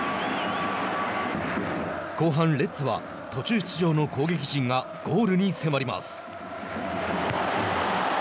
後半レッズは途中出場の攻撃陣がゴールに迫ります。